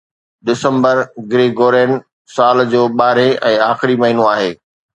December Gregorian سال جو ٻارهين ۽ آخري مهينو آهي